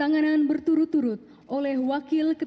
dan daerah yang saya wakili